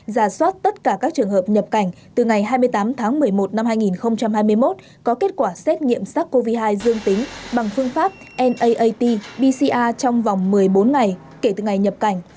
giả soát tất cả các trường hợp nhập cảnh từ ngày hai mươi tám tháng một mươi một năm hai nghìn hai mươi một có kết quả xét nghiệm sars cov hai dương tính bằng phương pháp naat bca trong vòng một mươi bốn ngày kể từ ngày nhập cảnh